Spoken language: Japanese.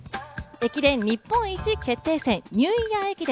駅伝日本一決定戦ニューイヤー駅伝。